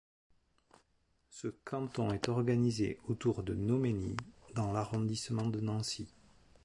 Ce canton est organisé autour de Nomeny dans l'arrondissement de Nancy.